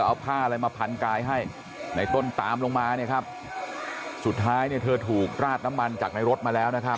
เอาผ้าอะไรมาพันกายให้ในต้นตามลงมาเนี่ยครับสุดท้ายเนี่ยเธอถูกราดน้ำมันจากในรถมาแล้วนะครับ